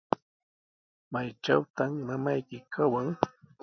¿Maytrawtaq mamayki kawan?